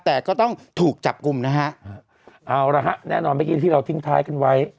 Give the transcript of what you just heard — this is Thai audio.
แต่ก็ต้องถูกจับกลุ่มนะฮะเอาละฮะแน่นอนเมื่อกี้ที่เราทิ้งท้ายกันไว้